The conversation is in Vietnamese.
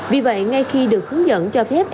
vì vậy ngay khi được hướng dẫn cho phép